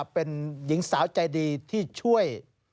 เป็นหญิงสาวใจดีที่ช่วย